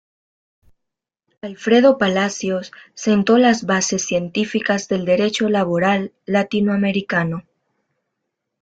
Alfredo Palacios, sentó las bases científicas del derecho laboral latinoamericano.